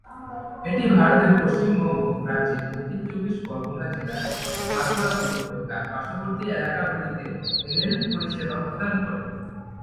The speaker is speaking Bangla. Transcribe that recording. এটি ভারতের পশ্চিমবঙ্গ রাজ্যের দক্ষিণ চব্বিশ পরগনা জেলার মথুরাপুর ও তার পার্শ্ববর্তী এলাকাগুলিতে রেল পরিষেবা প্রদান করে।